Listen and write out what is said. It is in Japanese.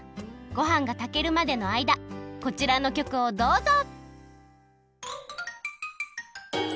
ごはんがたけるまでのあいだこちらのきょくをどうぞ！